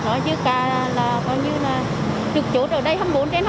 nói chứ cả là trực chốt ở đây hai mươi bốn h hai mươi bốn